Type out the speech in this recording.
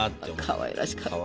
かわいらしかったね。